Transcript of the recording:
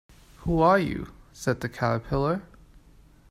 ‘Who are you?’ said the Caterpillar.